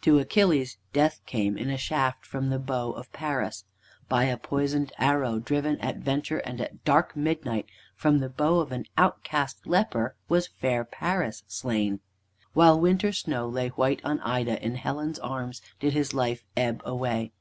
To Achilles death came in a shaft from the bow of Paris. By a poisoned arrow driven at venture and at dark midnight from the bow of an outcast leper was fair Paris slain. While winter snow lay white on Ida, in Helen's arms did his life ebb away.